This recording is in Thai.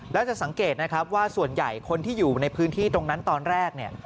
แล้วจะสังเกตนะครับว่าส่วนใหญ่คนที่อยู่ในพื้นที่ตรงนั้นตอนแรกเนี่ย